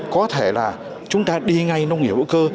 có thể là chúng ta đi ngay nông nghiệp hữu cơ